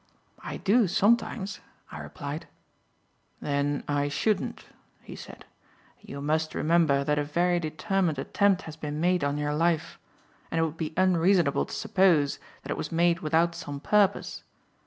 "I do sometimes," I replied. "Then I shouldn't," he said; "you must remember that a very determined attempt has been made on your life, and it would be unreasonable to suppose that it was made without some purpose.